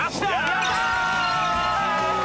やったー！